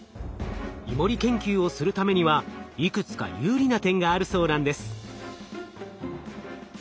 イモリ研究をするためにはいくつか有利な点があるそうなんです。